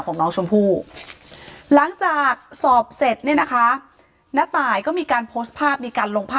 ของน้องชมพู่หลังจากสอบเสร็จเนี่ยนะคะณตายก็มีการโพสต์ภาพมีการลงภาพ